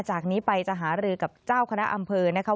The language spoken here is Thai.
จากนี้ไปจะหารือกับเจ้าคณะอำเภอนะคะ